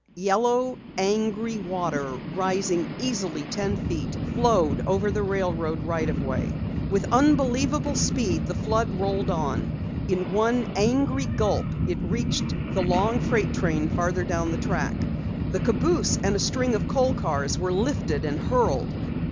Yellow, angry water, rising easily ten feet, flowed over the railroad right of way. With unbelievable speed the flood rolled on. In one angry gulp it reached a long freight train farther down the track. The caboose and a string of coal cars were lifted and hurled.